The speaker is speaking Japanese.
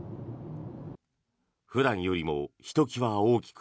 普段よりもひときわ大きく